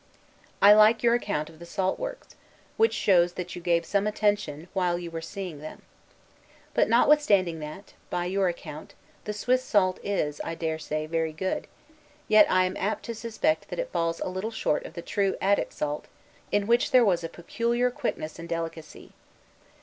I like your account of the salt works; which shows that you gave some attention while you were seeing them. But notwithstanding that, by your account, the Swiss salt is (I dare say) very good, yet I am apt to suspect that it falls a little short of the true Attic salt in which there was a peculiar quickness and delicacy.